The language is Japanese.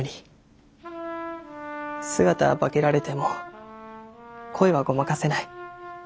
姿は化けられても声はごまかせない。